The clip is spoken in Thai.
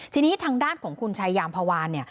ทีนี้ทางด้านของคุณชายามพวานเนี่ย